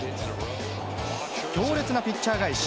強烈なピッチャー返し。